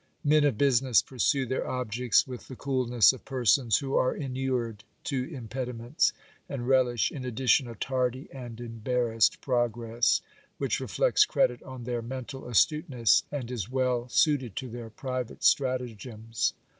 Men of business pursue their objects with the coolness of persons who are inured to impediments, and relish in addition a tardy and embarrassed progress, which reflects credit on their mental astuteness and is well suited to their private stratagems.